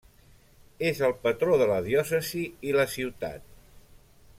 És el patró de la diòcesi i la ciutat.